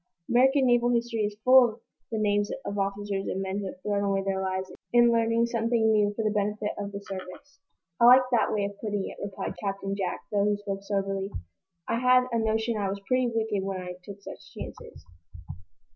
American naval history is full of the names of officers and men who have thrown away their lives in learning something new for the benefit of the service." "I like that way of putting it," replied Captain Jack, though he spoke soberly. "I had a notion I was pretty wicked when I took such chances."